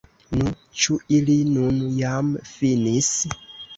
Nu, ĉu ili nun jam finis?